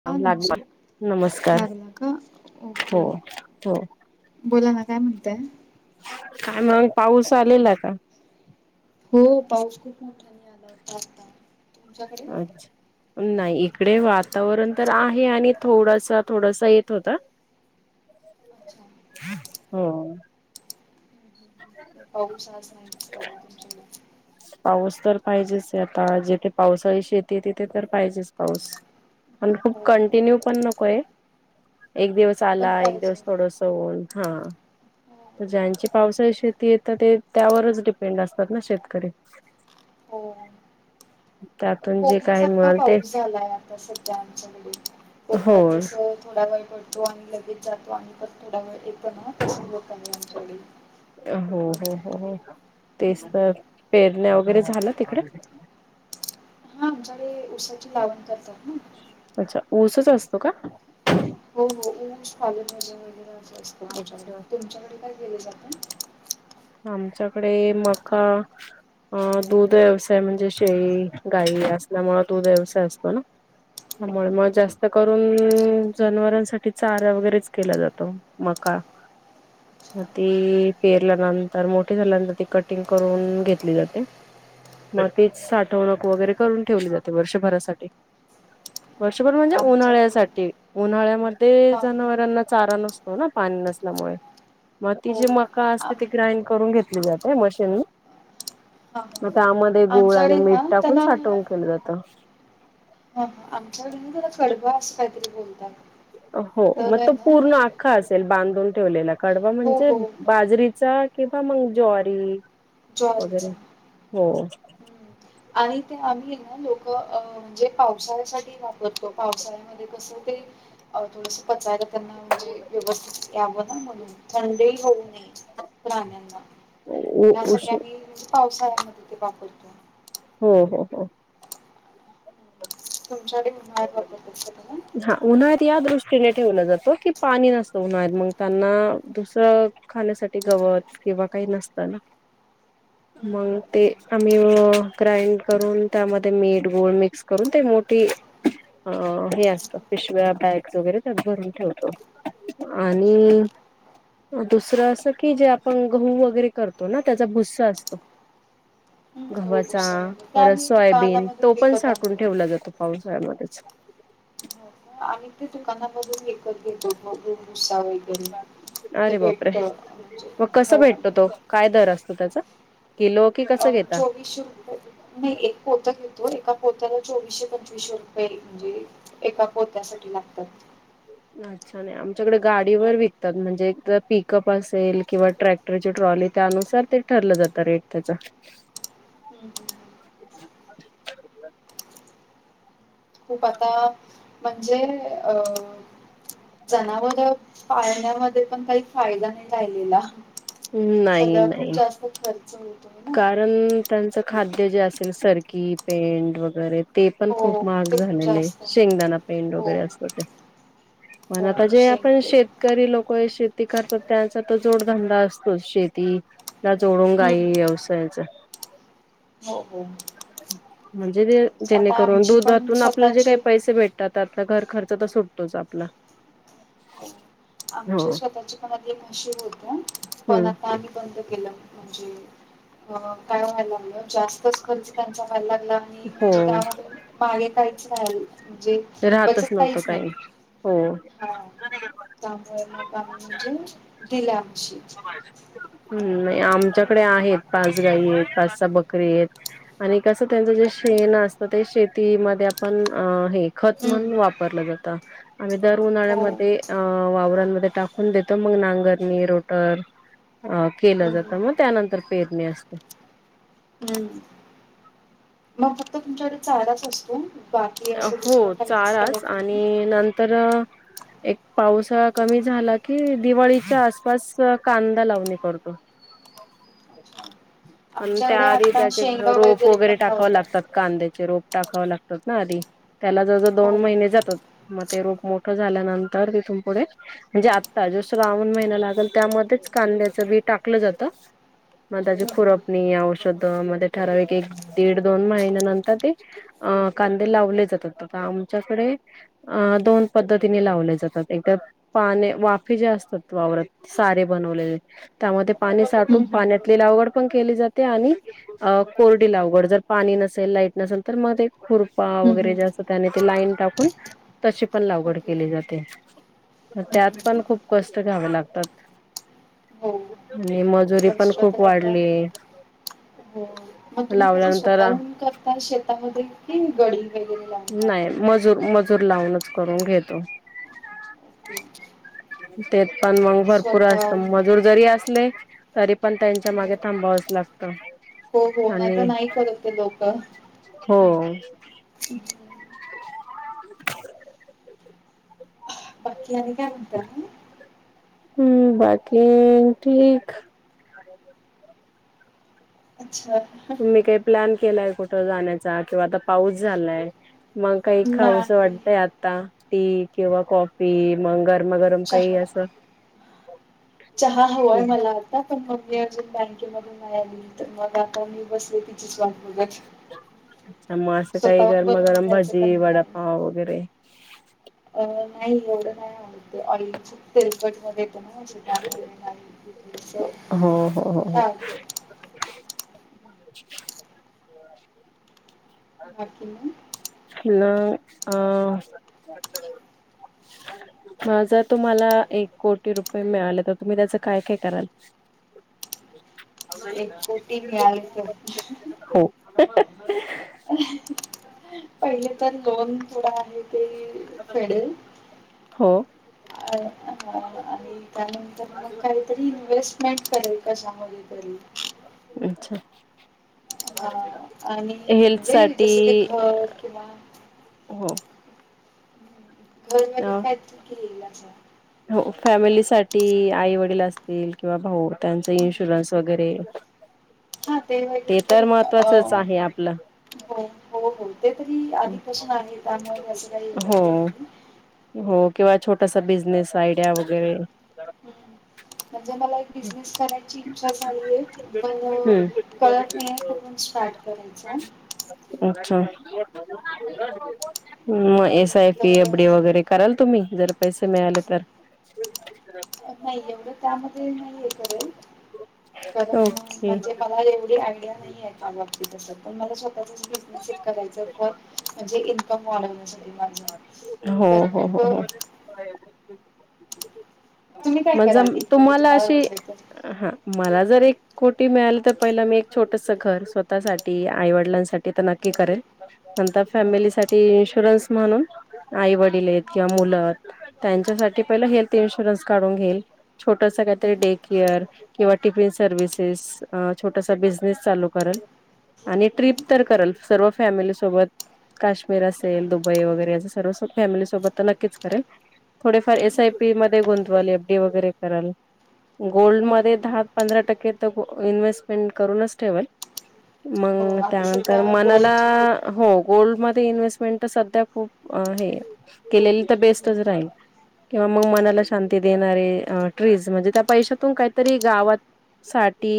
[unintelligible] हां न लागला नमस्कार लागला का, हो ओके. हो बोलाना काय म्हणताय? काय मग, पाऊस आलेला का? हो पाऊस खूप मोठा नि आला होता आता. तुमच्याकडे अच्छा. नाही इकडे वातावरण तर आहे आणि थोडसा-थोडासा येत होता. अच्छा. ह्म. पाऊस आज नही पडणार तुमच्याक् पाऊस तर पाहिजेच आता, जिथे पावसाळी शेती तिथ त तर पाहीजे पाऊस, पण खूप हो कंटिन्यू पण नकोय, एक दिवस च पण आलाय, एक पाहिजे दिवस थोडस ऊन, हां. तर ज्यांची पावसाळी शेती तर ते त्यावरच डिपेंड असतात ना, शेतकरी? हो त्या. कोकणासारखा पाऊस झालाय, आता सध्या आमच्याकडे. हो कोकणात जस थोडा वेळ पडतो. तो आणि लगेच जातो आणि परत थोडा वेळ येतोना तसं होतं आहे आमच्याकडे. हो हो हो हो तेच तर, पेरण्या वगैरे झालं तिकडे? हां आमच्याकडे उसाची लावण करतात ना. अच्छा, ऊसच असतो का? हो हो उस व वगैरे असं असतं आमच्याकडे अच्छा तुमच्याकडे काय गेलेच [unintelligible] आमच्याकडे मका अ दूध व्यवसाय म्हणजे शेळी गाई असल्यामुळे दूध व्यवसाय असतो ना. त्यामुळे हं, मग जास्त करून जनावरांसाठी चारा वगैरेच केला जातो. मका म ते पेरल्यानंतर तर मोठी झाल्यानंतर ती कटिंग करून घेतली जाते. मग तिच साठवणूक वगैरे करून ठेवली जाते वर्षभरासाठी. वर्षभर म्हणजे हं, हं. ओके आमच्याकडे उन्हाळ्यासाठी उन्हाळ्यामध्ये हां जनावरांना चारा नसतो. हो ना पाणी नसल्यामुळे मग ती हो जे मका असते आम ती ग्राईंड करून घेतली जाते मशीन हां हां मग त्यामध्ये हां गुळ आमच्याकडे आणि मिठ ना टाकून त्याला साठवून केलं जातं. ह आमच्याकडे ना कडबा अस काहीतरी बोलतात. हो तर मग आहे तो ना पूर्ण आख्खा असेल बांधून ठेवलेला. कडबा हो म्हणजे हो बाजरीचा किंवा मग ज्वारी ज्वारीचा वगैरे हो हम्म. आणि ते आम्ही ना लोक अ म्हणजे पावसाळ्यासाठी वापर हो पावसाळ्यामध्ये कसं काही थोडस पचायला त्यांना म्हणजे व्यवस्थित यावं ना म्हणून थंडीही होऊ नये. प्राण्यांना ह्या सगळ्या उष्ण मी म्हणजे पावसाळ्यामध्ये ते वापरतो. हो हो हो तुमच्याकडे उन्हाळ्यात वापरत असतील ना? हा उन्हाळ्यात या दृष्टीने ठेवलं जातं कि पाणी नसतं उन्हाळ्यात मग त्यांना दुसरं खाण्यासाठी गवत किंवा काही नसतं ना. हम्म. मग ते आम्ही ग्राईंड करून त्यामध्ये मीठ गुळ मिक्स करून ते मोठी अ हे असतं पिशव्या बॅग्स वगैरे त्या भरून ठेवतो. आणि दुसरं असं की जे आपण गहू वगैरे करतो ना त्याचा भुस्सा असतो. हम्म गहू गव्हाचा भुसा वगैरे ते परत आम्ही सोयाबीन दुकानामधून तो पण विकत साठून आणतो. ठेवला जातो. पावसाळ्यामध्येच आम्ही ते दुकानामधून विकत घेतो बघून भुस्सा वगैरे ते अरे बापरे. भेटत म्हणजे मग कसा हो भेटतो तो काय दर असतो त्याचा? किलो कि कसं घेता? वीस रुपये नाही एक पोत घेतो एका पोत्याला चोवीसशे पंचवीसशे रुपये म्हणजे एका पोत्यासाठी लागतात. अच्छा नाही [unintelligible] आमच्याकडे गाडीवर विकतात म्हणजे एक पिकअप असेल किंवा ट्रॅक्टरची ट्रॉली त्यानुसार कितीत ठरलं जातं रेट त्याचा हम्म हम्म खूप आता म्हणजे अ जनावर पाळण्यामध्ये पण काही फायदा नाही राहिलेला. नाही सगळ्या खूप नाही जास्त खर्च होतो. कारण त्यांचं खाद्य जे असेल सरकी पेंट वगैरे ते पण हो खूप महाग ते खूप झालेल जास्त आहे. शेंगदाणा पेंड हो वगैरे असतं ते पण हो आता जे आपण शेत शेंगपे शेतकरी लोक शेती करतात त्यांचा तो जोडधंदा असतोच शेती जा जोडून घाई हम्म व्यवसायाचा हो हो. म्हणजे ते आता जेणेकरून आमची पण दूधातून आपल्याला जे काही स्वतःची पैसे भेट तात., त्यातला घर खर्च तर सुटतोच आपला. हो आमचे स्वतःची पण आधी म्हशी होत्या. पण हम्म आता आम्ही बंद केलं म्हणजे काय व्हायला लागलं. जास्त च खर्च त्यांचा व्हायला लागला आणि हो म्हणजे त्यामध्ये मागे काहीच राहील. म्हणजे, राहतच बचत नव्हतं काहीच नाही काही हो, हा त्यामुळे मग आम्ही म्हणजे दिल्या म्हशी. हम्म. नाही आमच्याकडे आहेत पाच गाई आहेत. पाच-सहा बकरी आहेत. आणि कसं त्यांचं जे शेण असतं. ते शेतीमध्ये आपण अ हे खत हम्म म्हणून वापरलं जातं. आम्ही दर हो उन्हाळ्यामध्ये अ वावरांमध्ये टाकून देतो. मग नांगरणी रोटर तर अ केलं हम्म जातं. मग हम्म त्यानंतर पेरणी असते. हम्. तुमच्याकडे चाराच असतो. बाकी असं हो दुसरं काहीच चाराच करत नाही. आणि नंतर एक पावसाळा कमी झाला की, दिवाळीच्या आसपास कांदा लावणी करतो. आणि आमच्याकडे त्याआधी आता त्याचे शेंगा रोप वगैरे पण टाकाव लावतात लागतात. कांद्याचे रोप टाकाव लागतात ना आधी, त्याला जवळ जवळ हो. दोन महिने जातात. मग ते रोप मोठं झाल्यानंतर तिथून पुढे, म्हणजे आत्ता जो श्रावण महिना लागेल. त्यामध्येच कांद्याचं बी टाकलं जातं. मग त्याची हम्म हम्म खुरपणी, औषध मध्ये ठराविक एक दीड दोन महिन्यानंतर ते अ कांदे लावले जातात. आता आमच्याकडे अ दोन पद्धतीने लावले जातात. एकदा पाने वाफे जे असतात वावरात सारे बनवलेले. त्यामध्ये पाणी साठून पाण्यात लावगड पण केली जाते आणि कोरडी लावगड जर पाणी नसेल लाईट नसेल तर मग ते खुरपा वगैरे जे असत, त्याने ते लाईन टाकून तशी पण लागवड ओके केली जाते. हम्म त्यात हम्म पण हम्म खूप कष्ट घ्याव लागतात. हो आणि मजुरी पण कष्ट खूप तर आता वाढली. हो, मग तुम्ही कस लावल्यानंतर स्वतःहून करताय शेतामध्ये कि गडी वगैरे लावून काम नाही. करताय? मजूर मजूर लावूनच करून घेतो. ते पण मग भरपूर असत. स्वतःहून मजूर जरी असले तरी पण त्यांच्या हम्म. मागे थांबावच लागत. हो हो नाहीतर नाही करत ते लोक. हो [unintelligible] बाकी आणि काय म्हणता? हम हम्म बाकी ठीक. अच्छा तुम्ही काही प्लॅन केलाय कुठं जाण्याचा किंवा आता पाऊस झालाय. मग काही खाऊस नाही वाटतय आता टी किंवा कॉफी मगर चहा चहा हवाय मला. मग मी बँकेमधून मिळाली तर मग आता मी बसलेले. वाट बघत. मग स्वतःहून बनवून घ्यायचं का काय? हो. अवघड आहे. अ नाही एवढं नाही आवडत. ऑइल तेलकट मध्ये [unintelligible] असं हो हो हो हो हा ते [unintelligible] बाकी नाही. हॅलो अ. हा जर तुम्हाला एक कोटी रुपये मिळाले तर तुम्ही त्याचं काय-काय कराल? एक कोटी मिळाले तर हो. [unintelligible] पहिले तर लोन थोडा आहे. ते फेडेल [inaudible] हो. [unintelligible] आणि त्यानंतर मग काहीतरी इन्व्हेस्टमेंट करेल कशामध्ये तरी. अच्छा! हा आणि म्हणजे हेल्थसाठी, जसं की घर किंवा ते अ नवीन काहीतरी केलेली असा. हो फॅमिलीसाठी, आई-वडील असतील किंवा भाऊ त्यांच इन्शुरन्स वगैरे. [inaudible] हा ते वगैरे तर तरी अ महत्त्वाचंच आहे आपलं हो हो हो ते तरी आधिपासून आहे त्यामुळे काही हो असं हे नाही. हो किंवा छोटासा बिझनेस आयडिया वगैरे. म्हणजे मला एक बिझनेस करायची इच्छा झालीय ब कळत नाही हम्म. कुठून स्टार्ट करायचं. अच्छा! ह एस आय तर पी एफडी वगैरे अं, कराल तुम्ही जर पैसे मिळाले तर? नाही एवढं त्यामध्ये नाहीय हे करेल. ओके म्हणजे मला एवढी आयडिया नाहीये. त्या बाबतीत पण मला स्वतःचाच बिझनेस करायच तर, डी म्हणजे इन्कम वाढवण्यासाठी. माझं हो, तर हो मग हो हो. तुम्ही काय कराल मग एक कोटी तुम्हाला अशी, भेटलं तर हा मला जर एक कोटी मिळाल तर पहिलं मी एक छोटस घर स्वतःसाठी, आईवडिलांसाठी तर नक्की करेल. नंतर फॅमिली साठी इन्शुरन्स म्हणून आई-वडील आहेत किंवा मुलं. त्यांच्यासाठी पहिलं हेल्थ इन्शुरन्स काढून घेईल. छोटस काहीतरी हम्म, डे केअर किंवा टिफिन सर्वि्हिसेस अ छोटसा बिझनेस चालू करेल. आणि हम्म, ट्रिप तर करल सर्व फॅमिली सोबत काश्मीर असेल दुब बई वैगैरे अस सर्व फॅमिली सोबत तर नक्कीच करेल. थोडेफार हम्म, हम्म, एस आय पी मध्ये गुंतवाले एफडी वगैरे. कराल, गोल्ड मध्ये हम्म. दहा-पंधरा टक्के तर इन्व्हेस्टमेंट करूनच ठेवाल. हो मग आता सध्या त्यानंतर मनाला, गोल्डचे खूप हो गोल्डमध्ये इन्व्स्टमेंट तर सध्या खूप हे केलेली तर हम्म, बेस्टच राहील. किंवा मग मनाला शांती देणारे ट्रीज म्हणजे त्या पैशातून काहीतरी गावात साठी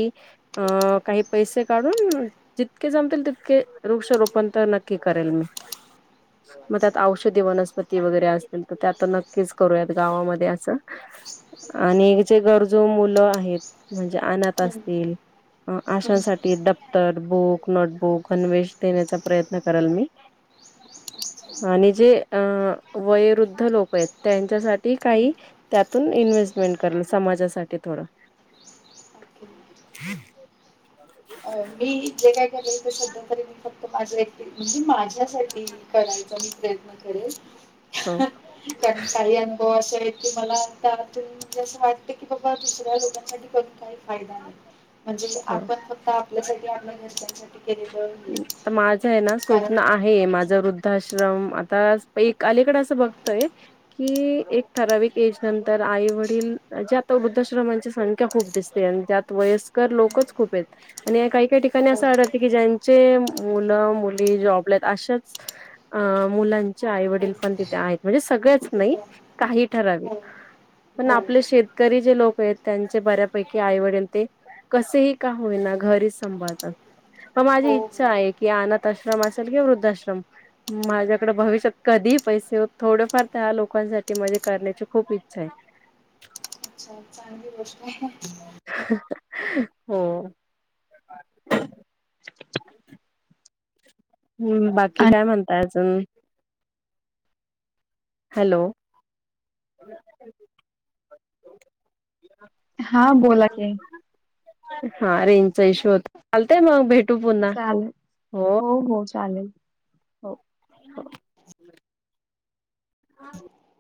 अ काही पैसे काढून जितके जमतील तितके वृक्षारोपण तर नक्की करेल मी. मग अच्छा. त्यात औषधी‌ वनस्पती वगैरे असतील तर ते आता नक्कीच करूयात गावामध्ये असं. आणि जे गरजू मुलं आहेत म्हणजे अनात हम्म, असतील. हम्म, आशांसाठी दप्तर, बुक, नोटबुक, अन्वेष देण्याचा प्रयत्न करराल मी. अच्छा. आणि जे अ वयवृद्ध लोक आहेत त्यांच्यासाठी हम्म, काही. त्यातून इन्व्हेस्टमेंट करलं समाजासाठी थोडं. [unintelligible] अ मी जे काय केरेल ते सध्या तरी मी फक्त माझ्या एकटी म्हणजे माझ्यासाठी करायचा मी प्रयत्न करेल. हो. कारण काही अनुभव असं आहे की मला आता आतून म्हणजे असं वाट टते की बाबा दुसऱ्या लोकांसाठी करून काही फायदा नाही म्हणजे हो. आपण फक् क्त आपल्यासाठी आपल्या घरच्यांनसाठी केलेलं हे त माझं ये ना स्वप्न कारण आ हे माझं वृद्धाश्रम आताच एक अलीकड असं बघतय की एक ठराविक एज नंतर आई वडील जे आता वृद्धाश्रमांची संख्या खूप दिस ते आणं त्यात वयस्कर लोकच खूप येत आणि काय काय ठिकाणी हो असं आढळते की ज्यां चे मुलं मुली जॉब ळा येत अशाच अ मुलांच्या हो आईवडील पण तिथे आहेत म्हणजे सगळ्याच ठीक नाही आहे काही ठराविक हो हो पण आपले शेतकरी जे लोक येत त्यांचे बऱ्यापैकी आईवडील ते कसही का होईना घरीच संभाळतात प माझी हो हो इच्छा आहे की अनाथ आश्रम असेल की वृद्धाश्रम माझ्याकडे भविष्यात कधी पैसे थोडेफार त्या लोकांसाठी माझी करण्याची खूप इच्छा हाय. अच्छा चांगली गोष्टय. हो. [unintelligible] मुम्म बाकी काय आणि म्हणताय अजून हॅलो [unintelligible] हा बोला की, हा रेंज चा इश्यू होत चालतय मग भेट चालेल हो हो चालेल. [unintelligible] [unintelligible]